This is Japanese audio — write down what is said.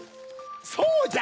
そうじゃ！